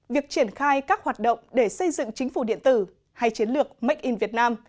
việc triển khai các hoạt động để xây dựng chính phủ điện tử hay chiến lược make in vietnam